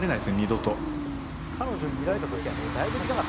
彼女に見られた時やろ？